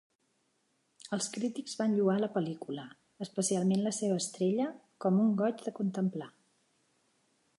Els crítics van lloar la pel·lícula, especialment la seva estrella, com "un goig de contemplar".